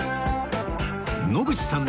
野口さん